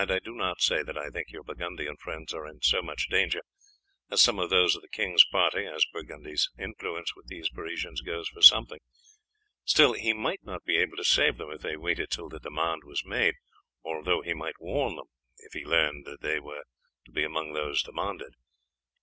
"I do not say that I think your Burgundian friends are in so much danger as some of those of the king's party, as Burgundy's influence with these Parisians goes for something; still, he might not be able to save them if they waited till the demand was made, although he might warn them if he learned that they were to be among those demanded."